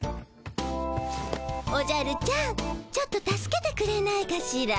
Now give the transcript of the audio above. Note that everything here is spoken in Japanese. おじゃるちゃんちょっと助けてくれないかしら。